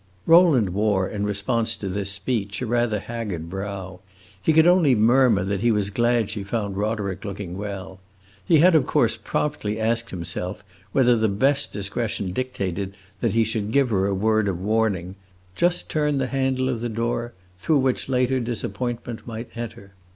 Rowland wore, in response to this speech, a rather haggard brow. He could only murmur that he was glad she found Roderick looking well. He had of course promptly asked himself whether the best discretion dictated that he should give her a word of warning just turn the handle of the door through which, later, disappointment might enter.